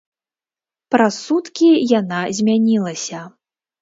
Праз суткі яна змянілася.